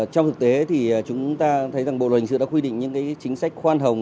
trong thực tế thì chúng ta thấy rằng bộ luật hình sự đã quy định những chính sách khoan hồng